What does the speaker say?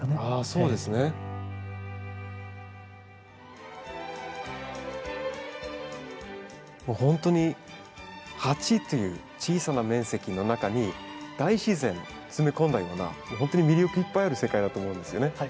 あそうですね。ほんとに鉢という小さな面積の中に大自然詰め込んだようなほんとに魅力いっぱいある世界だと思うんですよね。